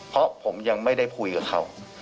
เพราะผมยังไม่ได้คุยกับเขา